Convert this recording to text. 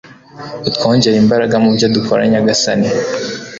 utwongerere imbaraga mu byo dukora nyagasani